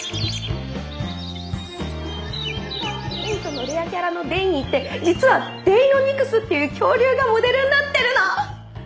Ⅷのレアキャラのデイニーって実はデイノニクスっていう恐竜がモデルになってるの！